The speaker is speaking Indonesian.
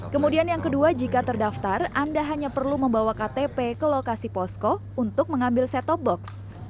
kemudian yang kedua jika terdaftar anda hanya perlu membawa ktp ke lokasi posko untuk mengambil set top box